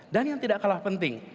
dan yang tidak kalah penting